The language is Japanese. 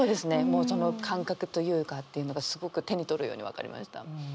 もうその感覚というかっていうのがすごく手に取るように分かりました。